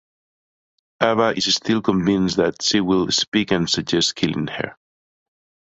Ava is still convinced that she will speak and suggests killing her.